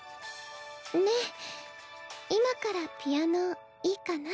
ねえ今からピアノいいかな？